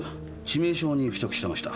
致命傷に付着してました。